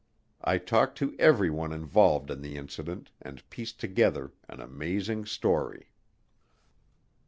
I talked to everyone involved in the incident and pieced together an amazing story.